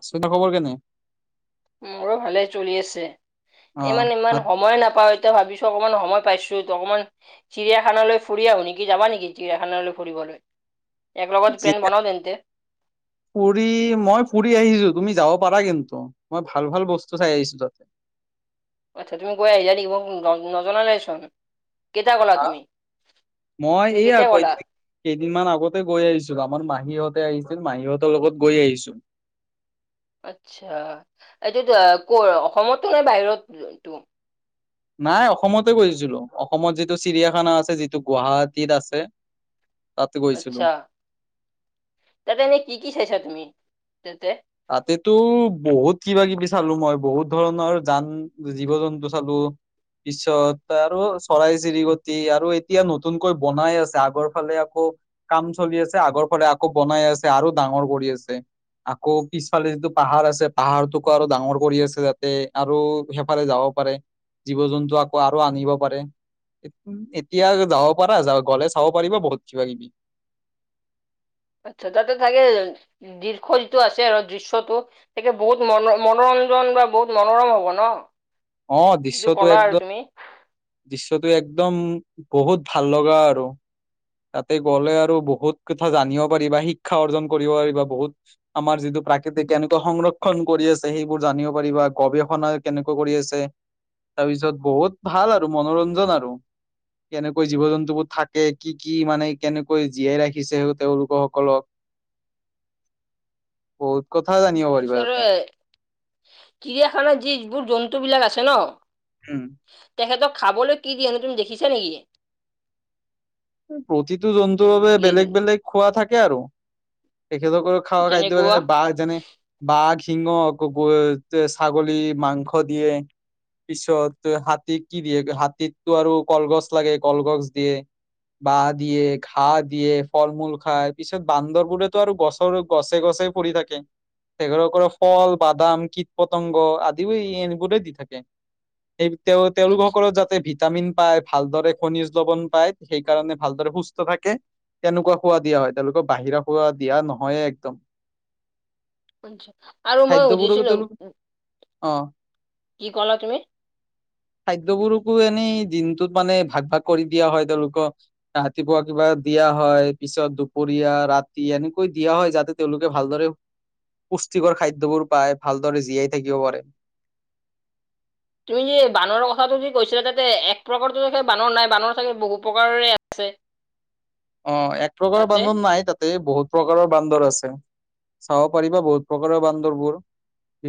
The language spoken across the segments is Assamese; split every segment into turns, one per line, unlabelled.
আছোঁ [unintelligible] খবৰ কেনে?
মোৰো ভালে চলি আছে, ই মানে
অ
ইমান সময় নাপাও এতিয়া ভাবিছোঁ অকণমান সময় পাইছোঁ অকমান চিৰিয়াখানালৈ ফুৰি আহোঁ নেকি যাবা নেকি চিৰিয়াখানালৈ ফুৰিবলৈ, এক লগত প্লেন
যেতিয়া
বনাওঁ তেন্তে।
ফুৰি মই ফুৰি আহিছোঁ তুমি যাব পাৰা কিন্তু। মই ভাল ভাল বস্তু চাই আহিছোঁ তাত।
আচ্ছা তুমি গৈ আহিলা নেকি, ম-মোক নজনালায়েচোন।
হা, মই
তুমি
এইয়া
কেতিয়া
কৈ
গ'লা?
[unintelligible] কেইদিনমান আগতে গৈ আহিছিলোঁ আমাৰ মাহীহঁতে আহিছিল মাহীহঁতৰ লগত গৈ আহিছোঁ।
আচ্ছা, এইটোত কৰ অসমৰটো নে বাহিৰত টো?
নাই অসমতে গৈছিলোঁ অসমত যিটো চিৰিয়াখানা আছে যিটো গুৱাহাটীত আছে। তাতে গৈছিলো
আচ্ছা তাতে এনেই কি কি চাইছা তুমি তাতে?
তাতেটো বহুত কিবা কিবি চালোঁ মই, বহুত ধৰণৰ জান জীৱ জন্তু চালোঁ। পিছত আৰু চৰাই চিৰিকটি আৰু এতিয়া নতুনকৈ বনাই আছে আগৰ ফালে আকৌ কাম চলি আছে আগৰ ফাল আকৌ বনাই আছে আৰু ডাঙৰ কৰি আছে। আকৌ পিছফালে যিটো পাহাৰ আছে পাহাৰটোকো আৰু ডাঙৰ কৰি আছে যাতে আৰু সেইফালে যাব পাৰে। জীৱ জন্তু আকৌ আৰু আনিব পাৰে। এতিয়া যাব পাৰা গ'লে চাব পাৰিবা বহুত কিবা কিবি।
আচ্ছা তাতে থাকে দৃশ যিটো আছে আৰু দৃশ্যটো একে বহুত মন মনোৰঞ্জন বা বহুত মনোৰম হব ন
অ
যিটো
দৃশ্যটো
ক'লা আৰু
একদম
তুমি।
দৃশ্যটো একদম বহুত ভাল লগা আৰু তাতে গ'লে আৰু বহুত কথা জানিব পাৰিবা শিক্ষা অৰ্জন কৰিব পাৰিবা বহুত আমাৰ যিটো প্ৰাকৃতিক কেনেকুৱা সংৰক্ষণ কৰি আছে সেইবোৰ জানিব পাৰিবা গৱেষণা কেনেকুৱা কৰি আছে তাৰপিছত বহুত ভাল আৰু মনোৰঞ্জন আৰু কেনেকৈ জীৱ জন্তুবোৰ থাকে কি কি মানে কেনেকৈ জীয়াই ৰাখিছে তেওঁলোকসকলক বহুত কথা জানিব পাৰিবা তাতে
চিৰিয়াখানাত যি যিবোৰ জন্তুবিলাক আছে ন
উম
তেখেতক খাবলৈ কি দিয়েনো তুমি দেখিছা নেকি
প্ৰতিটো জন্তুৰ বাবে বাবে বেলেগ বেলেগ খোৱা থাকে আৰু তেখেতসকলক খোৱা খাদ্য বোৰ
যেনেকুৱা
যেনে বাঘ যেনে বাঘ সিংহ ক গ ছাগলী মাংস দিয়ে পিছত হাতী কি দিয়ে হাতীকটো আৰু কলগছ লাগে কলগছ দিয়ে বাঁহ দিয়ে ঘাঁ দিয়ে ফল মূল খায় পিছত বান্দৰবোৰেতো আৰু গছৰ গছে গছে পৰি থাকে তেখেতসকতক ফল বাদাম কীট পতংগ আদিও এনেবোৰে দি থাকে সেই তেওঁ তেওঁলোকসকলৰ যাতে ভিটামিন পায় ভালদৰে খনিজ লবন পায় সেইকাৰণে ভালদৰে সুস্থ থাকে কেনেকুৱা খোৱা দিয়া হয় তেওঁলোকৰ বাহিৰা খোৱা দিয়া নহয়ে একদম
আৰু মই
খাদ্যবোৰকো
সুধিছিলোঁ
তেওঁলোক অ
কি ক'লা তুমি
খাদ্যবোৰকো এনেই দিনটোত মানে ভাগ ভাগ কৰি দিয়া হয় তেওঁলোকক ৰাতিপুৱা কিবা দিয়া হয় পিছত দুপৰীয়া ৰাতি এনেকৈ দিয়া হয় যাতে তেওঁলোকে ভালদৰে পুষ্টিকৰ খাদ্যবোৰ পাই ভালদৰে জীয়াই থাকিব পাৰে
তুমি যে বান্দৰৰ কথাটো যদি কৈছিলা তাতে এক প্ৰকাৰটো বান্দৰ নাই বান্দৰ চাগে বহু প্ৰকাৰৰে আছে [unintelligible]
অ এক প্ৰকাৰৰ
তাতে।
বান্দৰ নাই তাতে বহুত প্ৰকাৰৰ বান্দৰ আছে চাব পাৰিবা বহুত প্ৰকাৰৰ বান্দৰবোৰ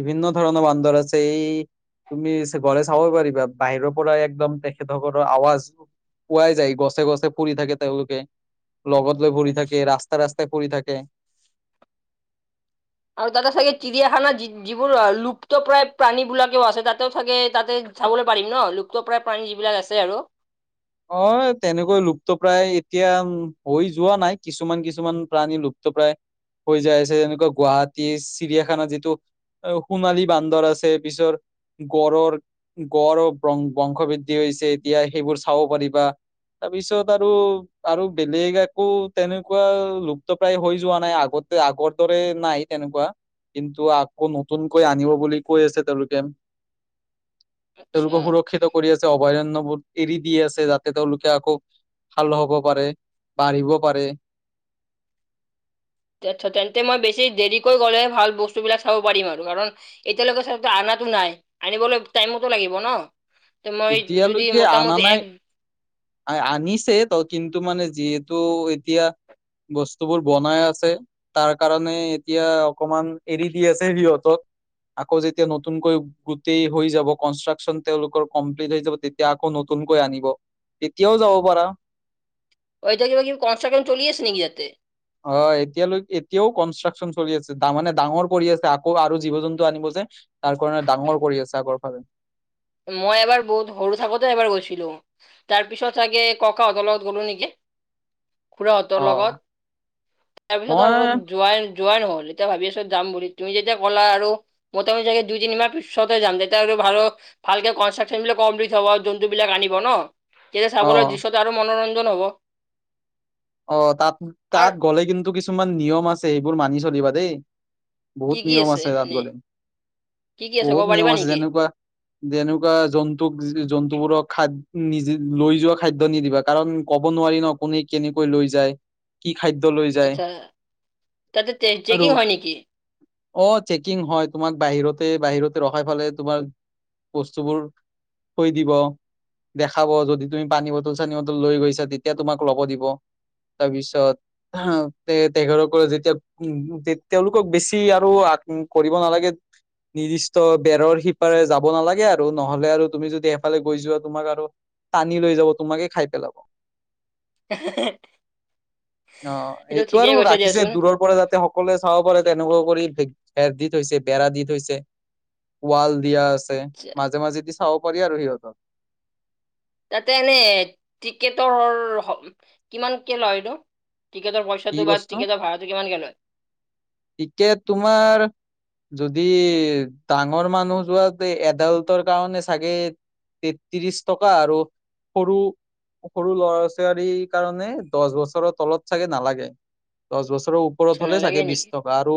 বিভিন্ন ধৰণৰ বান্দৰ আছে এই তুমি গলে চাবই পাৰিবা বাহিৰৰ পৰা একদম তেখেতসকলৰ আৱাজ পোৱাই যায় গছে গছে ফুৰি থাকে তেওঁলোকে লগত লৈ ভৰি
আচ্ছা,
থাকে ৰাস্তা ৰাস্তাই ফুৰি থাকে
আৰু তাতে চাগে চিৰিয়াখানা যি যিবোৰ লুপ্ত প্ৰায় প্ৰাণীবিলাকেও আছে তাতেও থাগে তাতে চাবলৈ পাৰিম ন লুপ্তৰ পৰা প্ৰাণী যিবিলাক আছে আৰু
অ তেনেকৈ লুপ্তপ্ৰায় এতিয়া হৈ যোৱা নাই কিছুমান কিছুমান প্ৰাণী লুপ্তপ্ৰায় হৈ যায় আছে এনেকুৱা গুৱাহাটী চিৰিয়াখানা যিটো সোণালী বান্দৰ আছে পিছৰ গঁড়ৰ গড়ৰ বংশ বৃদ্ধি হৈছে এতিয়া সেইবোৰ চাব পাৰিবা তাৰপিছত আৰু আৰু বেলেগ একো তেনেকুৱা লুপ্তপ্ৰায় হৈ যোৱা নাই আগতে আগৰ দৰে নাই তেনেকুৱা কিন্তু আকৌ নতুনকৈ আনিব বুলি কৈ আছে তেওঁলোকে
[unintelligible]
তেওঁলোকে সুৰক্ষিত কৰি আছে অভয়াৰণ্যবোৰ এৰি দি আছে যাতে তেওঁলোকে আকৌ ভাল হ'ব পাৰে বাঢ়িব পাৰে।
টেতচ তেন্তে মই বেছি দেৰিকৈ গ'লে ভাল বস্তুবিলাক চাব পাৰিম আৰু কাৰণ এতিয়ালৈকে চা আনা টো নাই আনিবলৈ টাইমতো লাগিব ন। ত মই যদি মোটামটি এক
আই আনিছে ত কিন্তু মানে যিহেতু এতিয়া বস্তুবোৰ বনাই আছে তাৰ কাৰণে এতিয়া অকমান এৰি দি আছে সিহঁতত। আকৌ যেতিয়া নতুনকৈ গোটেই হৈ যাব কনষ্ট্ৰাকচন তেওঁলোকৰ কমপ্লিট হৈ যাব তেতিয়া আকৌ নতুনকৈ আনিব, তেতিয়াও যাব পাৰা।
অ এতিয়া কিবা কিবি কনষ্ট্ৰাকচন চলি আছে নিকি ইয়াতে?
অ এতিয়ালৈ এতিয়াও কনষ্ট্ৰাকচন চলি আছে তাৰমানে ডাঙৰ কৰি আছে আকৌ আৰু জীৱ জন্তু আনিব যে। তাৰ কাৰণে ডাঙৰ কৰি আছে আগৰ ফালে।
মই এবাৰ বহুত সৰু থাকোতে এবাৰ গৈছিলো। তাৰ পিছত চাগে ককাহঁতৰ লগত গ'লো নেকি। খুৰা হঁতৰ
অ
লগত তাৰপিছত আৰু
মই
যোৱাই যোৱাই নহল, এতিয়া ভাবি আছো যাম বুলি। তুমি যেতিয়া ক'লা আৰু মোটামুটি চাগে দুই তিনি মাহ পিছতে যাম তেতিয়া আৰু ভাল ভালকে কনষ্ট্ৰাকচন বিলাক কমপ্লিট হব জন্তু বিলাক আনিব ন, তেতিয়া
অ
চাবলৈ যুছত আৰু মনোৰঞ্জন হ'ব।
অ তাত
আৰু
তাত গ'লে কিন্তু কিছুমান নিয়ম আছে সেইবোৰ মানি চলিবা দেই।
কি
বহুত
কি
নিয়ম আছে তাত
এনে
গলে।
কি কি আছে
বহুত
ক'ব
নিয়ম
পাৰিবা
আছে
নেকি
যেনেকুৱা যেনেকুৱা জন্তুক জন্তুবোৰক খাদ নিজ লৈ যোৱা খাদ্য নিদিবা কাৰণ ক'ব নোৱাৰি ন কোনে কেনেকৈ লৈ যায়। কি খাদ্য লৈ যায়
আচ্ছা তাতে
আৰু
চেকিং হয় নেকি
অ চেকিং হয় তোমাক বাহিৰতে বাহিৰতে ৰখাই ফালে তোমাক বস্তুবোৰ থৈ দিব। দেখাব যদি তুমি পানী বটল চানী বটল লৈ গৈছা তেতিয়া তোমাক ল'ব দিব। তাৰপিছত তে তেখেত সকলে যেতিয়া উ তেওঁলোকক বেছি আৰু আ কৰিব নালাগে নিৰ্দিষ্ট বেৰৰ সিপাৰে যাব নালাগে আৰু নহলে আৰু তুমি যদি এফালে গৈ যোৱা তোমাক আৰু টানি লৈ যাব তোমাকে খায় পেলাব।
[unintelligible]
অ
সেইটো
এইটো
ঠিকেই
আৰু
কৈছে
ৰাখিছে
দিয়াচোন
দূৰৰ পৰা যাতে সক সকলে চাব পাৰে তেনেকুৱা কৰি ভেৰ দি থৈছে বেৰা দি থৈছে ৱাল দিয়া ছে
আচ্ছা
মাজে মাজি দি চাব পাৰি আৰু সিহতক।
তাতে এনে টিকেটৰ হ কিমানকে লয়নো? টিকেটৰ
কি
পইচাটো বা
বস্তু
টিকেটৰ ভাড়াটো কিমানকে লয়?
টিকেট তোমাৰ যদি, ডাঙৰ মানুহ যোৱা তে এডাল্টৰ কাৰণে চাগে তে ত্ৰিশ টকা আৰু সৰু সৰু ল'ৰা-ছোৱালীৰ কাৰণে দছ বছৰৰ তলত চাগে নালাগে, দহ বছৰৰ ও
আচ্ছা
উপৰত হ'লে
নালাগে
চাগে
নেকি
বিছ। আৰু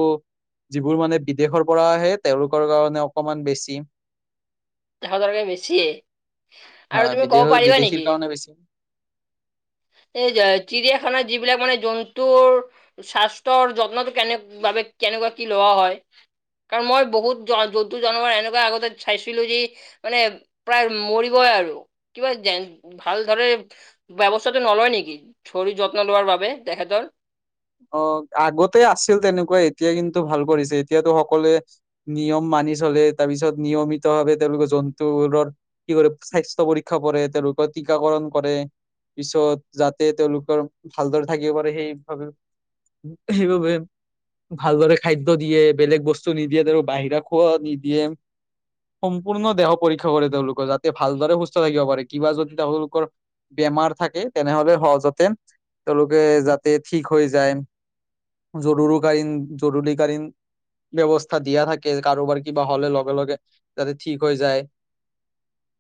যিবোৰ মানে বিদেশৰ পৰা আহে তেওঁলোকৰ কাৰণে অকমান বেছি।
এশ টকাতকে বেছিয়ে আৰু
হয়
তুমি ক'ব
বিদেশ
পাৰিবা
বিদেশীৰ
নেকি
কাৰণে বেছি।
এই যে চিৰিয়াখানাৰ যিবিলাক মানে জন্তুৰ স্বাস্থ্যৰ যত্নটো কেনে বাবে কেনেকুৱা কি লোৱা হয়? কাৰণ, মই বহুত [unintelligible] জন্তু জানোৱাৰ এনেকুৱা আগতে চাইছিলো যি মানে প্ৰায় মৰিবই আৰু কিবা যেন, ভাল ধৰে ব্যৱস্থা টো নলয় নেকি শৰীৰ যত্ন লোৱাৰ বাবে, তেখেতৰ।
অঁ! আগতে আছিল তেনেকুৱাই এতিয়া কিন্তু ভাল কৰিছে। এতিয়াতো সকলোৱে নিয়ম মানি চলে তাৰপিছত নিয়মিতভাৱে তেওঁলোকে জন্তুবোৰৰ কি স্বাস্থ্য পৰীক্ষা কৰে, তেওঁলোকৰ টীকাকৰণ কৰে। পিছত যাতে তেওঁলোকৰ ভালদৰে থাকিব পাৰে সেই ভাবে সেইবাবে ভালদৰে খাদ্য দিয়ে, বেলেগ বস্তু নিদিয়ে, তেওঁলোকক বাহিৰা খোৱা নিদিয়ে। সম্পূৰ্ণ দেহৰ পৰীক্ষা কৰে তেওঁলোকৰ যাতে ভালদৰে সুস্থ থাকিব পাৰে। কিবা যদি তেওঁলোকৰ বেমাৰ থাকে, তেনেহলে সহজতে তেওঁলোকে যাতে ঠিক হৈ যায়। জৰুৰুকালীন জৰুৰীকালীন ব্যৱস্থা দিয়া থাকে। কাৰোবাৰ কিবা হ'লে লগে-লগে যাতে ঠিক হৈ যায়।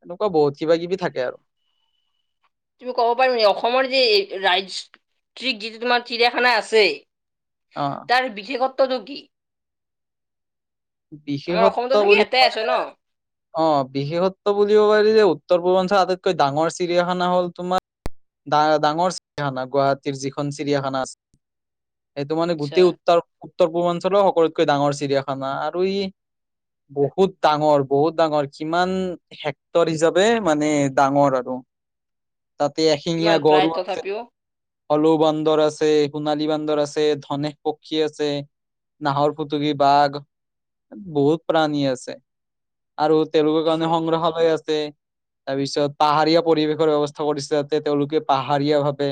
এনেকুৱা বহুত কিবা-কিবি থাকে আৰু।
তুমি ক'ব পাৰিবা নেকি? অসমৰ যি ৰাইজ [unintelligible] তোমাৰ চিৰিয়াখানা আছে
অঁ!
তাৰ বিশেষত্বটো কি? আমাৰ
বিশেষত্ব
অসমতো চাগে
বুলি
এটাই
ক'লে
আছে ন
অঁ! বিশেষত্ব বুলিব পাৰি যে, উত্তৰ পূৰ্বাঞ্চল আটাইতকৈ ডাঙৰ চিৰিয়াখানা হ'ল তোমাৰ ডা-ডাঙৰ চিৰিয়াখানা গুৱাহাটীৰ যিখন চিৰিয়াখানা আছে। সেইটো মানে
আচ্ছা
গোটেই উত্তৰ উত্তৰ পূৰ্বাঞ্চলৰ সকলোতকৈ ডাঙৰ চিৰিয়াখানা। আৰু ই বহুত ডাঙৰ, বহুত ডাঙৰ কিমান হেক্টৰ হিচাপে মানে ডাঙৰ আৰু।
[unintelligible]
তাতে এশিঙীয়া
কিমান প্ৰায়
গঁড়ৰো আছে।
তথাপিও
হলৌ বান্দৰ আছে, সোণালী বান্দৰ আছে, ধনেশ পক্ষী আছে। নাহৰ ফুটুকী বাঘ। বহুত প্ৰাণী আছে আৰু তেওঁলোকৰ
আচ্ছা
কাৰণে সংগ্ৰহালয় আছে। তাৰপিছত পাহাৰীয়া পৰিৱেশৰ ব্যৱস্থা কৰিছে, যাতে তেওঁলোকে পাহাৰীয়া ভাৱে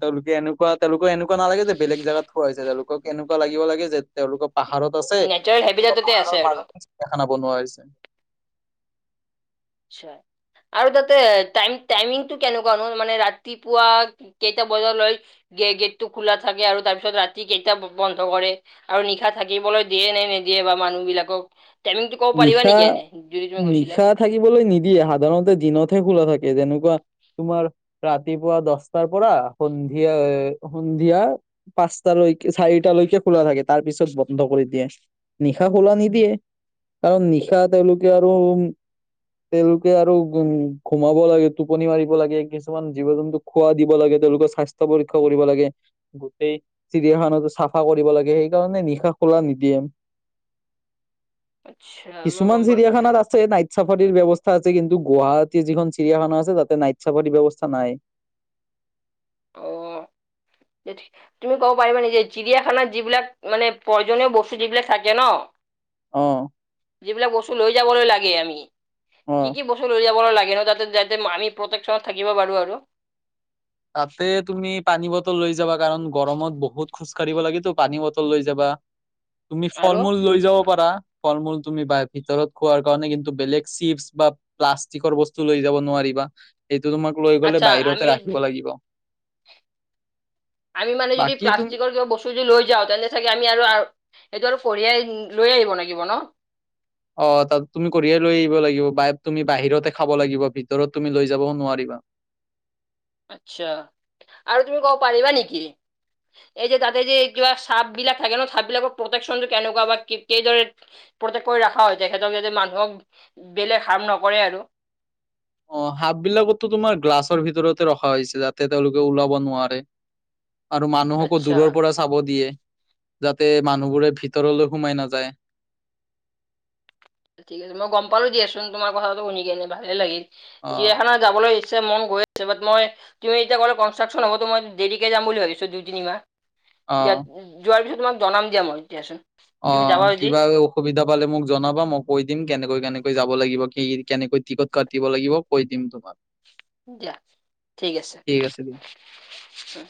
তেওঁলোকে এনেকুৱা তেওঁলোকৰ এনেকুৱা এনেকুৱা নালাগে যে বেলেগ জেগাত থোৱা হৈছে তেওঁলোকক এনেকুৱা লাগিব লাগে যে তেওঁলোকৰ পাহাৰত আছে।
নেচাৰেল হেবিটততে আছে
পাহাৰৰ
আৰু
মাজতে চিৰিয়াখানা বনোৱা হৈছে।
চোৱা আৰু তাতেই টাইম টাইমিংটো কেনেকুৱা নো মানে ৰাতিপুৱা কেইটা বজালৈ? গে-গেটটো খোলা থাকে আৰু তাৰ পিছত ৰাতি কেইটাত বন্ধ কৰে? আৰু নিশা থাকিবলৈ দিয়ে নে নিদিয়ে বা মানুহ বিলাকক? টাইমিংটো ক'ব পাৰিবা নেকি
নিশা
এনেই যদি তুমি গৈছিলা?
নিশা থাকিবলৈ নিদিয়ে সাধাৰণতে দিনতহে খোলা থাকে যেনেকুৱা তোমাৰ ৰাতিপুৱা দহটাৰ পৰা সন্ধিয়া এই সন্ধিয়া পাঁচটালৈকে চাৰিটালৈকে খোলা থাকে তাৰ পিছত বন্ধ কৰি দিয়ে। নিশা খোলা নিদিয়ে। কাৰণ নিশা তেওঁলোকে আৰু তেওঁলোকে আৰু উম ঘূমাব লাগে, টোপনি মাৰিব লাগে, কিছুমান জীৱ-জন্তু খোৱা দিব লাগে, তেওঁলোকৰ স্বাস্থ্য পৰীক্ষা কৰিব লাগে। গোটেই চিৰিয়াখানাটো চাফা কৰিব লাগে। সেইকাৰণে নিশা খোলা নিদিয়ে।
আতচ্ছা মই
কিছুমান
গম পালোঁ।
চিৰিয়াখানাত নাইট চাফাৰীৰ ব্যৱস্থা আছে। কিন্তু গুৱাহাটীৰ, যিখন চিৰিয়াখানা আছে, তাতে নাইট চাফাৰীৰ ব্যৱস্থা নাই।
অ, ঠিকে। তুমি ক'ব পাৰিবা নেকি, চিৰিয়াখানাত যিবিলাক মানে প্ৰয়োজনীয় বস্তু যিবিলাক থাকে ন।
অ।
যিবিলাক বস্তু লৈ যাবলৈ লাগে আমি,
অ
কি কি বস্তু? লৈ যাব লাগে ন। তাতে, যাতে আমি প্ৰটেকশ্যনত থাকিব পাৰো আৰু।
তাতে তুমি পানী বটল লৈ যাবা। কাৰণ গৰমত বহুত খোজ কঢ়িব লাগিব, তো পানী বটল লৈ যাবা। তুমি ফল
আৰু
মূল লৈ যাব পাৰা। ফল- মূল তুমি বাই ভিতৰত খোৱাৰ কাৰণে, কিন্তু বেলেগ চিপছ বা প্লাষ্টিকৰ বস্তু লৈ যাব নোৱাৰিবা। এইটো তোমাক লৈ গ'লে
আচ্ছা
বাহিৰতে
আমি
ৰাখিব লাগিব।
আমি মানে যদি
বাকী তুম
প্লালাষ্টিকৰ কিবা বস্তু যদি লৈ যাওঁ, তেন্তে চাগে আমি আৰু সেইটো আৰু কঢ়িয়াই লৈ আহিব লাগিব ন।
অ, তাত তুমি কঢ়িয়াই লৈ আহিব লাগিব বা তুমি বাহিৰতে খাব লাগিব। ভিতৰত তুমি লৈ যাবও নোৱাৰিবা।
আতচ্ছা, আৰু তুমি কব পাৰিবা নেকি? এই যে তাতে যে, কিবা চাপ বিলাক থাকে ন। চাপ বিলাকৰ প্ৰটেকশ্যনটো কেনেকুৱা বা কিদৰে প্ৰক্টেক কৰি ৰখা হয়। তেখেতক য'ত মানুহক বেলেগ হাৰ্ম নকৰে আৰু।
অ, সাপ বিলাকতো তোমাৰ গ্লাছৰ ভিতৰতে ৰখা হৈছে। যাতে তেওঁলোকে ওলাব নোৱাৰে। আৰু মানুহকো
আচ্ছা
দূৰৰ পৰা চাব দিয়ে। যাতে মানুহবোৰে ভিতৰলৈ সোমাই নাযায়।
ঠিক আছে, মই গম পালো দিয়চোন, তোমাৰ কথাটো শুনিকেনে এনে ভালে লাগিল।
অ
চিৰিয়াখানাত যাবলৈ ইচ্ছা মন গৈ আছে, বাত মই তুমি এতি কনষ্ট্ৰাকশন হ'বটো, মই দেৰিকে যাম বুলি ভাবিছো, দুই তিনি মাহ
অ
ইয়াত, যোৱাৰ পিছত তোমাক জনাম দিয়া মই, দিয়াচোন।
অ,
তুমি যাবা যদি
কিবা সুবিধা পালে মোক জনাবা। মই কৈ দিম কেনেকৈ- কেনেকৈ যাব লাগিব। কি কেনেকৈ টিকট কাটিব লাগিব কৈ দিম। তোমাক।
দিয়া, ঠিক আছে, উম।